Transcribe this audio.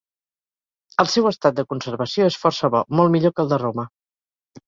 El seu estat de conservació és força bo, molt millor que el de Roma.